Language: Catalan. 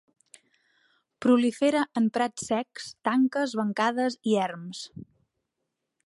Prolifera en prats secs, tanques, bancades i erms.